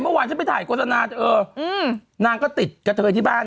เมื่อวานฉันไปถ่ายโฆษณาเธอนางก็ติดกระเทยที่บ้าน